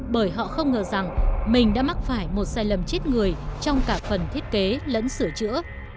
bởi họ không ngờ rằng mình đã mắc phải một sai lầm chết người trong cả phần thiết kế lẫn sửa chữa